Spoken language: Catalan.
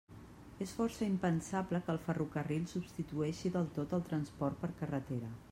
És força impensable que el ferrocarril substitueixi del tot el transport per carretera.